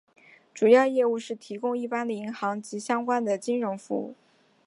主要业务是提供一般的银行及相关的金融服务。